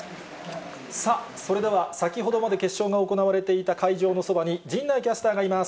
さあ、それでは先ほどまで決勝が行われていた会場のそばに陣内キャスターがいます。